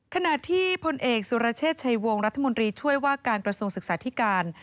ขณะที่พลเอกสุรเชษฐ์ชัยวงรัฐมนตรีช่วยว่าการกระทรวงศึกษาธิการ